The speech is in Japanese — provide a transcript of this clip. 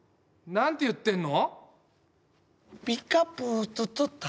何て言ってんの？